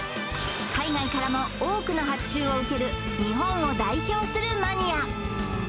海外からも多くの発注を受ける日本を代表するマニア